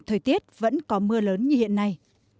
thời tiết vẫn có mưa lớn như hiện nay